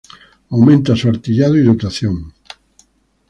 Aumenta su artillado y dotación.